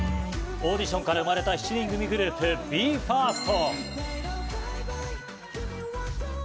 オーディションから生まれた７人組グループ、ＢＥ：ＦＩＲＳＴ。